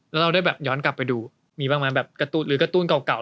แล้วเราได้แบบย้อนกลับไปดูมีบ้างไหมแบบการ์ตูนหรือกระตูนเก่า